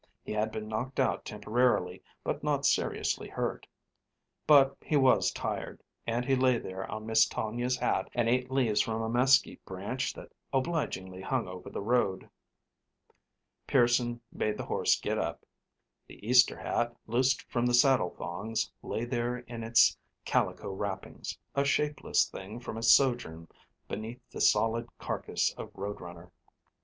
He had been knocked out temporarily, but not seriously hurt. But he was tired, and he lay there on Miss Tonia's hat and ate leaves from a mesquite branch that obligingly hung over the road. Pearson made the horse get up. The Easter hat, loosed from the saddle thongs, lay there in its calico wrappings, a shapeless thing from its sojourn beneath the solid carcass of Road Runner.